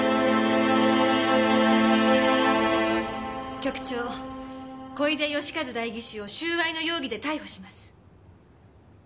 局長小出義和代議士を収賄の容疑で逮捕します。